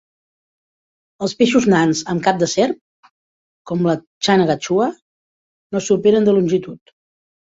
Els peixos nans amb cap de serp, com la "channa gachua", no superen de longitud.